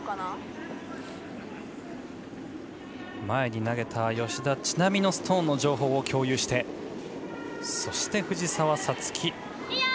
前に投げた吉田知那美のストーンの情報を共有して、そして藤澤五月。